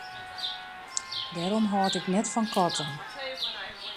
Dêrom hâld ik net fan katten.